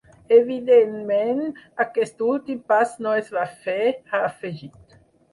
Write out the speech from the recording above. Evidentment aquest últim pas no es va fer, ha afegit.